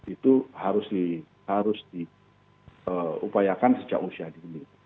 itu harus diupayakan sejak usia di sini